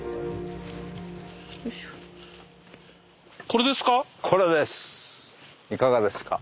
これですか？